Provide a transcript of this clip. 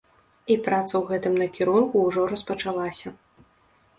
І праца ў гэтым накірунку ўжо распачалася.